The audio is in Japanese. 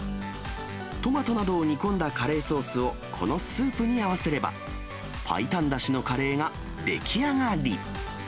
トマトなどを煮込んだカレーソースを、このスープに合わせれば、白湯だしのカレーが出来上がり。